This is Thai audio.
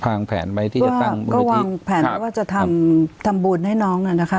วางแผนไว้ที่จะตั้งก็วางแผนว่าจะทำทำบุญให้น้องน่ะนะคะ